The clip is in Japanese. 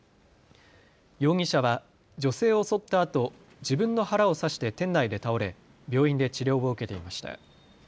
容疑者は女性を襲ったあと自分の腹を刺して店内で倒れ病院で治療を受けていました。